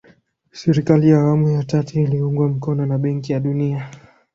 serikali ya awamu ya tatu iliungwa mkono na benki ya dunia